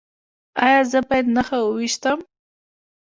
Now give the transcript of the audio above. ایا زه باید نښه وویشتم؟